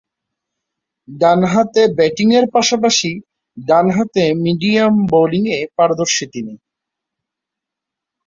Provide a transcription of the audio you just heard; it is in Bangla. ডানহাতে ব্যাটিংয়ের পাশাপাশি ডানহাতে মিডিয়াম বোলিংয়ে পারদর্শী তিনি।